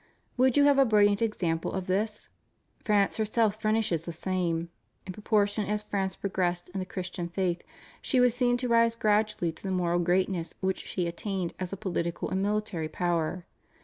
Would you have a brilliant example of this? France herself furnishes the same. ... In proportion as France progressed in the Christian faith she was seen to rise gradually to the moral greatness which she attained as a political and mihtary power.